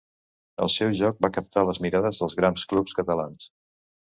El seu joc va captar les mirades dels grans clubs catalans.